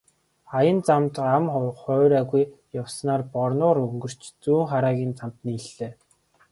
Аян замд ам хуурайгүй явсаар Борнуур өнгөрч Зүүнхараагийн замд нийллээ.